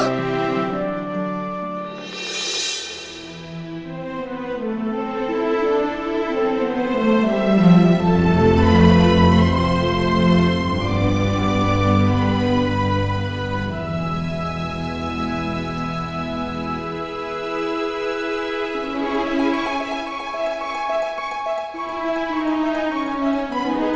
kenapa nahwang si tidak bergerak bopo